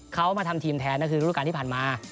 เขามาทำทีมแทนก็คือรูปการณ์ที่ผ่านมา